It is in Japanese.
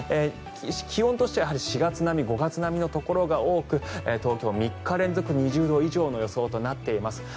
気温としては４月並み５月並みのところが多く東京は３日連続で２０度以上となっています。